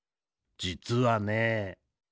じつはね。